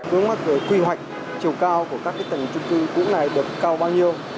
hướng mắt về quy hoạch chiều cao của các cái tầng chung cư cũ này được cao bao nhiêu